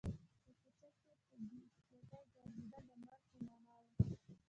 په کوڅه کې په بې احتیاطۍ ګرځېدل د مرګ په معنا و